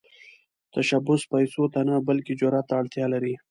تشبث پيسو ته نه، بلکې جرئت ته اړتیا لري.